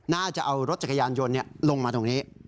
น่าจะเอารถจักรยานยนต์ลงมาตรงนี้